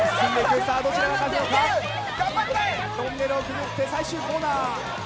トンネルをくぐって最終コーナー。